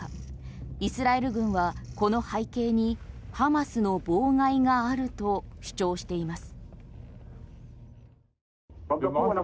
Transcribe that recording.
イスラエル軍は、この背景にハマスの妨害があると主張しています。